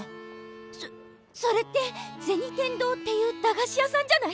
そそれって銭天堂っていう駄菓子屋さんじゃない？